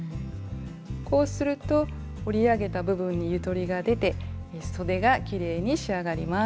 こうすると折り上げた部分にゆとりが出てそでがきれいに仕上がります。